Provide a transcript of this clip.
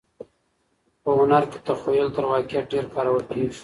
په هنر کي تخیل تر واقعیت ډېر کارول کیږي.